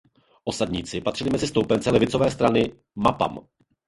Osadníci patřili mezi stoupence levicové strany Mapam.